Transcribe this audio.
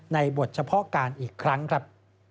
บทเฉพาะการอีกครั้งครับ